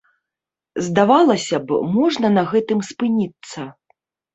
Здавалася б, можна на гэтым спыніцца.